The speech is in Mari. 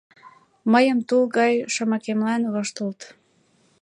Мыйым тул гай шомакемлан воштылыт.